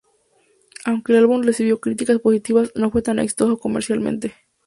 Aunque el álbum recibió críticas positivas, no fue tan exitoso comercialmente.